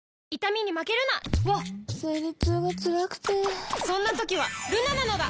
わっ生理痛がつらくてそんな時はルナなのだ！